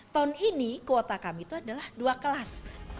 tahun ini kuota kami itu adalah dua kelas